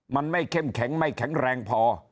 มันไม่เข้มแข็งไม่แข็งแรงพอ